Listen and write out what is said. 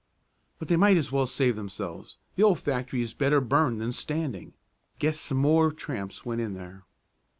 "But they might as well save themselves. The old factory is better burned than standing. Guess some more tramps went in there."